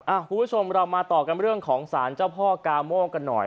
คุณผู้ชมเรามาต่อกันเรื่องของสารเจ้าพ่อกาโมกันหน่อย